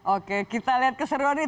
oke kita lihat keseruan nih